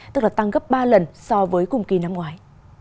tức là tăng gấp ba lần so với cùng kỳ năm ngoái